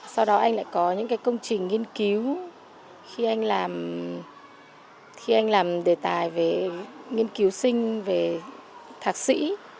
sau đó anh lại có những công trình nghiên cứu khi anh làm đề tài về nghiên cứu sinh về thạc sĩ